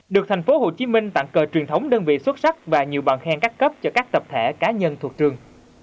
được thành phố hồ chí minh tặng cờ truyền thống đơn vị xuất sắc và nhiều bàn khen cắt cấp cho các tập thể cá nhân thuộc trường